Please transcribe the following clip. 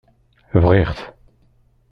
Bɣiɣ-t.